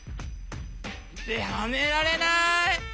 はめられない！